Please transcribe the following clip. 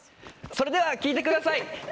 それでは聴いてください！